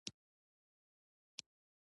ملک تاج الدین کرد د مرستې غوښتنه وکړه.